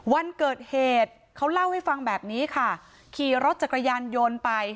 วันเกิดเหตุเขาเล่าให้ฟังแบบนี้ค่ะขี่รถจักรยานยนต์ไป